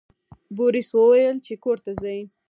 بوریس وویل چې کور ته ځئ.